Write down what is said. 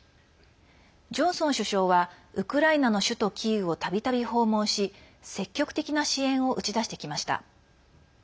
ジョンソン首相はウクライナの首都キーウをたびたび訪問し積極的な支援を打ち出してきました。